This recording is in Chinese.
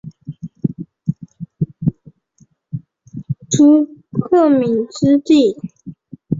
朱克敏之弟。